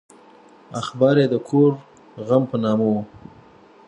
اخبار یې د کور غم په نامه و.